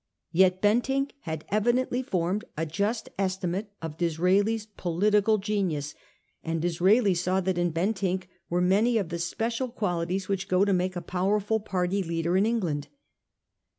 Yet Bentinck had evidently formed a just estimate of Disraeli's political genius ; and Dis raeli saw that in Bentinck were many of the special qualities which go to make a powerful party leader in England.